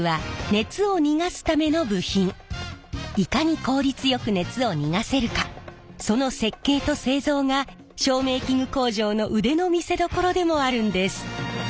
いかに効率よく熱を逃がせるかその設計と製造が照明器具工場の腕の見せどころでもあるんです。